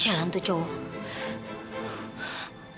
terserah itu cowok